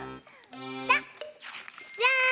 じゃん！